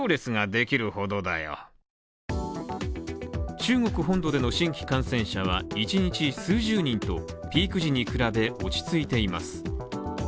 中国本土での新規感染者は１日数十人と、ピーク時に比べ落ち着いています。